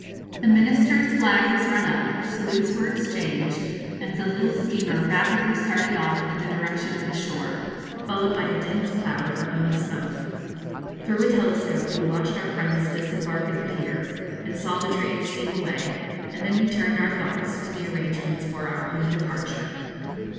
The Minister's flag was run up, salutes were exchanged, and the little steamer rapidly started off in the direction of the shore, followed by a dense cloud of her own smoke. Through a telescope we watched our friends disembark at the pier, and saw the train steam away; and then we turned our thoughts to the arrangements for our own departure.